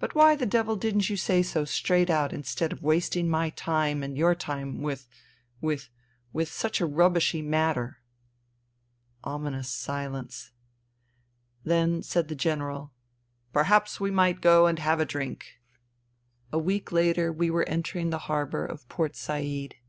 But why the devil didn't you say so straight out instead of wasting my time and your time with ... with ... with such a rubbishy matter ?" Ominous silence. Then said the General, " Perhaps we might go and have a drink ?" A week later we were entering the harbour of 234 FUTILITY Port Said.